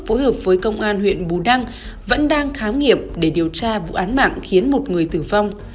phối hợp với công an huyện bù đăng vẫn đang khám nghiệm để điều tra vụ án mạng khiến một người tử vong